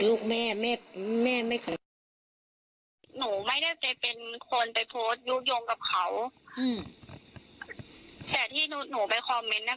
ลูกแม่แม่แม่ไม่หนูไม่ได้ไปเป็นคนไปโพสต์ยุคยงกับเขาอืมแต่ที่หนูหนูไปคอมเมนต์น่ะ